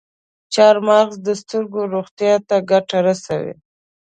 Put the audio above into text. چارمغز د سترګو روغتیا ته ګټه رسوي.